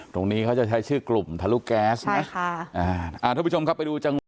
ตรงนี้เขาจะใช้ชื่อกลุ่มทะลุแก๊สนะใช่ค่ะ